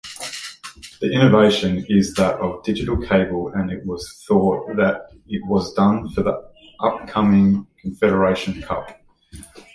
The innovation is that of digital cable and it was thought that is was done for the upcoming Confederation Cup